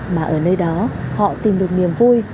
mà ở nơi đó họ tìm được niềm vui